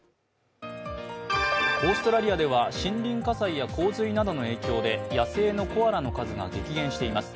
オーストラリアでは森林火災や洪水などの影響で野生のコアラの数が激減しています。